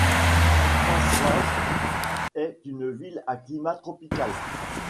Pasaje est une ville à climat tropical.